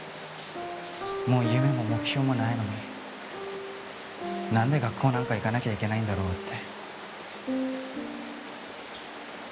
もう夢も目標もないのに何で学校なんか行かなきゃいけないんだろうって。